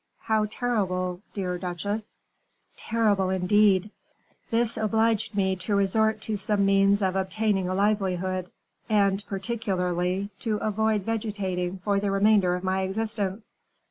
"How terrible, dear duchesse." "Terrible indeed; this obliged me to resort to some means of obtaining a livelihood, and, particularly, to avoid vegetating for the remainder of my existence.